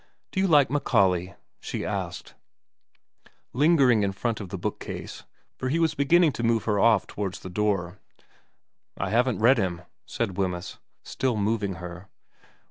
' Do you like Macaulay ?' she asked, lingering in front of the bookcase, for he was beginning to move her ofi towards the door. ' I haven't read him,' said Wemyss, still moving her.